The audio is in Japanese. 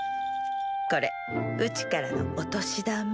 これうちからのお年玉。